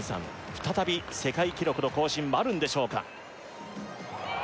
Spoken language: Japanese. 再び世界記録の更新はあるんでしょうか